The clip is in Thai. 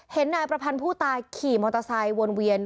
นายประพันธ์ผู้ตายขี่มอเตอร์ไซค์วนเวียน